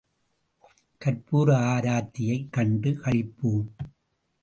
கற்பூர ஆரத்தியைக் கண்டு களிப்போம்.